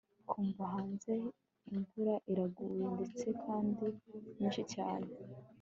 twumva hanze imvura iraguye ndetse kandi nyinshi cyane